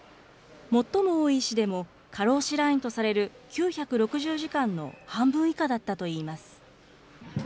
最も多い医師でも過労死ラインとされる９６０時間の半分以下だったといいます。